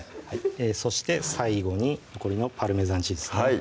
そして最後に残りのパルメザンチーズですね